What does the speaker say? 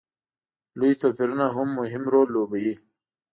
لوی توپیرونه هم مهم رول لوبوي.